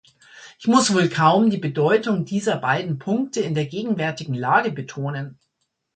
Ich muss wohl kaum die Bedeutung dieser beiden Punkte in der gegenwärtigen Lage betonen.